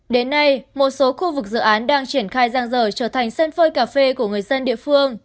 đến nay một số khu vực dự án đang triển khai giang dở trở thành sân phơi cà phê của người dân địa phương